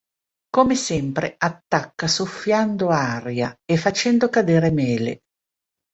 Come sempre attacca soffiando aria e facendo cadere mele.